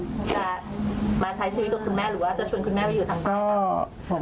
จะมาใช้ชีวิตตัวคุณแม่หรือว่าจะชวนคุณแม่ไปอยู่ทางไหน